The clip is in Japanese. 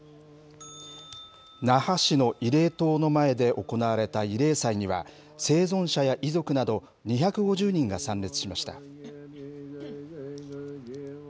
那覇市の慰霊塔の前で行われた慰霊祭には、生存者や遺族など２５０人が参列しました。